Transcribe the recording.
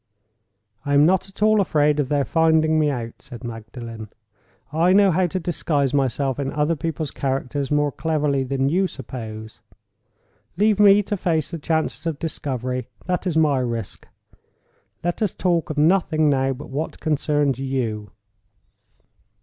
"I am not at all afraid of their finding me out," said Magdalen. "I know how to disguise myself in other people's characters more cleverly than you suppose. Leave me to face the chances of discovery—that is my risk. Let us talk of nothing now but what concerns _you.